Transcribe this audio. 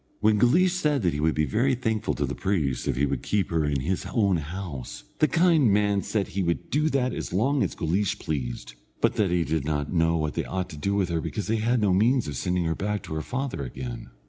When Guleesh said that he would be very thankful to the priest if he would keep her in his own house, the kind man said he would do that as long as Guleesh pleased, but that he did not know what they ought to do with her, because they had no means of sending her back to her father again.